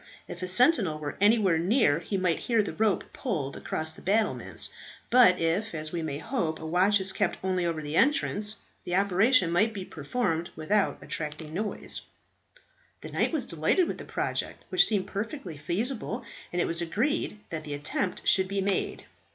If a sentinel were anywhere near he might hear the rope pulled across the battlements; but if as we may hope, a watch is kept only over the entrance, the operation might be performed without attracting notice." The knight was delighted with the project, which seemed perfectly feasible, and it was agreed that the attempt should be made.